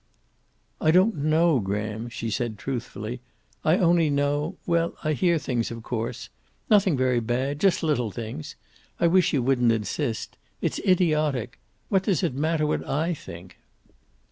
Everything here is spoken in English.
"I don't know, Graham," she said truthfully. "I only know well, I hear things, of course. Nothing very bad. Just little things. I wish you wouldn't insist. It's idiotic. What does it matter what I think?"